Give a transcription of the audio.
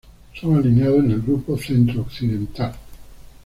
Son alineados en el Grupo Centro Occidental.